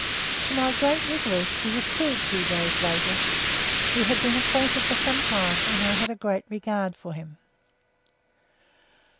To my great regret he was killed two days later; we had been acquainted for some time, and I had a great regard for him.